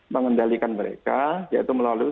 mengendalikan mereka yaitu melalui